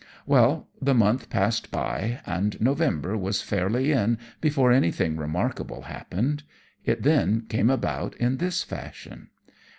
Well, the month passed by, and November was fairly in before anything remarkable happened. It then came about in this fashion.